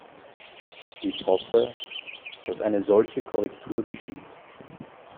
Ich hoffe, dass eine solche Korrektur geschieht.